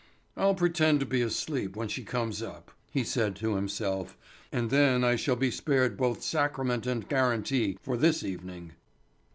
"I'll pretend to be asleep when she comes up," he said to himself, "and then I shall be spared both sacrament and guarantee for this evening."